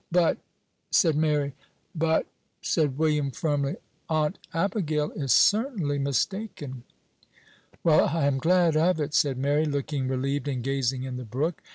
"But " said Mary. "But," said William, firmly, "Aunt Abigail is certainly mistaken." "Well, I am glad of it," said Mary, looking relieved, and gazing in the brook.